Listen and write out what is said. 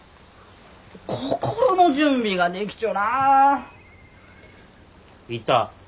心の準備ができちょらん。